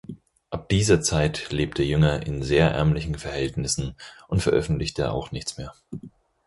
Ab dieser Zeit lebte Jünger in sehr ärmlichen Verhältnissen und veröffentlichte auch nichts mehr.